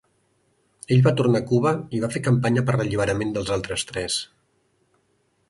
Ell va tornar a Cuba i va fer campanya per l'alliberament dels altres tres.